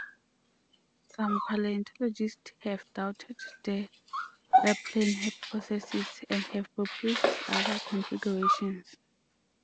Some paleontologists have doubted the biplane hypothesis, and have proposed other configurations.